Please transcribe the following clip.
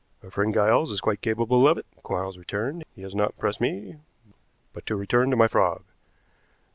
"Our friend Giles is quite capable of it," Quarles returned. "He has not impressed me; but to return to my frog.